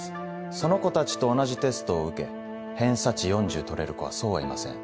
その子たちと同じテストを受け偏差値４０取れる子はそうはいません。